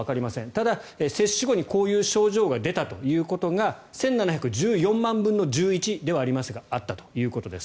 ただ、接種後にこういう症状が出たということが１７１４万分の１１ではありますがあったということです。